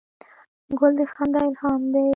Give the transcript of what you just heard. ګل د خندا الهام دی.